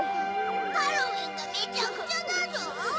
ハロウィンがめちゃくちゃだゾウ！